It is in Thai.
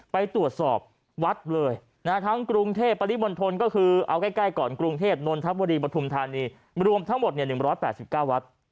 ไปตรวจสอบวัดเลยนะฮะทั้งกรุงเทพฯปริบนทนก็คือเอาใกล้ก่อนกรุงเทพฯนนทรัพย์บริบทุมธานีรวมทั้งหมดเนี่ย๑๘๙วัด